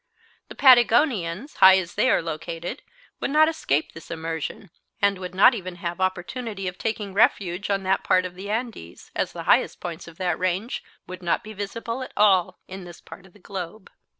The Patagonians, high as they are located, would not escape this immersion, and would not even have opportunity of taking refuge on that part of the Andes, as the highest points of that range would not be visible at all in this part of the globe.